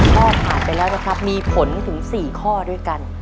ข้อผ่านไปแล้วนะครับมีผลถึง๔ข้อด้วยกัน